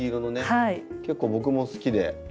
結構僕も好きで。